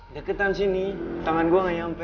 deketan sini tangan gue gak nyampe